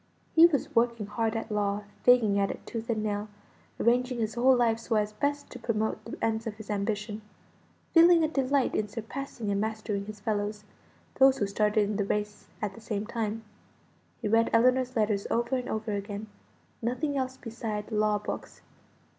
He was working hard at law: fagging at it tooth and nail; arranging his whole life so as best to promote the ends of his ambition; feeling a delight in surpassing and mastering his fellows those who started in the race at the same time. He read Ellinor's letters over and over again; nothing else beside law books.